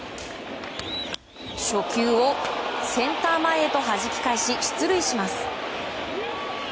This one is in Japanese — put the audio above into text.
初球をセンター前へとはじき返し、出塁します。